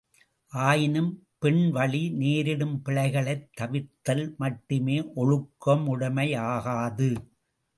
ஆயினும் பெண் வழி நேரிடும் பிழைகளைத் தவிர்த்தல் மட்டுமே ஒழுக்கமுடைமையாகாது.